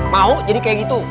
mau jadi kayak gitu